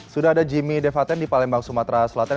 sudah ada jimmy devaten di palembang sumatera selatan